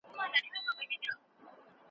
موږ پرون د میوو په باغ کي کار وکړ.